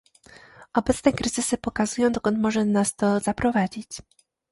Obecne kryzysy pokazują dokąd może nas to zaprowadzić